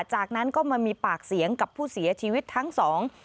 จากนั้นก็มามีปากเสียงกับผู้เสียชีวิตทั้งสอง